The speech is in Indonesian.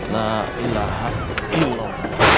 na ilahakil allah